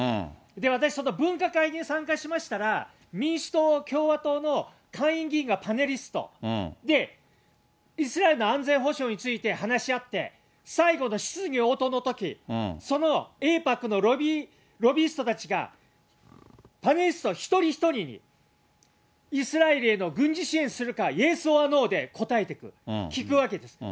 私、その分科会に参加しましたら、民主党、共和党の下院議員がパネリスト、で、イスラエルの安全保障について話し合って、最後の質疑応答のとき、そのエイパックのロビイングたちがパネリスト一人一人に、イスラエルへの軍事支援するか、イエス・オアノーで答えてく、聞くわけです。